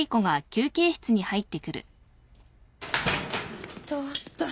やっと終わった。